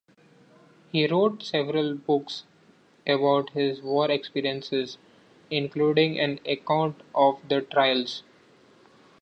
He wrote several books about his war experiences including an account of the Trials.